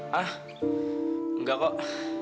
hah nggak kok